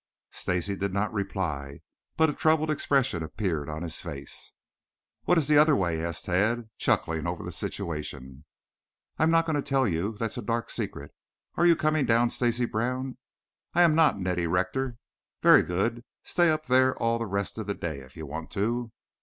Stacy did not reply, but a troubled expression appeared on his face. "What is the other way?" asked Tad, chuckling over the situation. "I am not going to tell you. That's a dark secret. Are you coming down, Stacy Brown?" "I am not, Neddie Rector." "Very good. Stay there all the rest of the day if you want to."